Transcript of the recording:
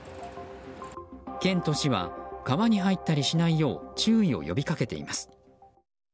県と市は川に入ったりしないよう注意を呼び掛けています。